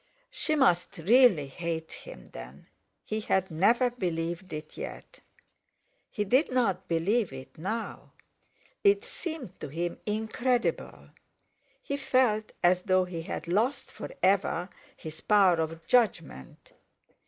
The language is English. She must really hate him, then! He had never believed it yet. He did not believe it now. It seemed to him incredible. He felt as though he had lost for ever his power of judgment.